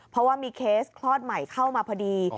เพราะว่ามีเคสคลอดใหม่เข้ามาพอดี